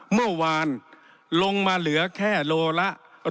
เมื่อวานลงมาเหลือแค่โลละ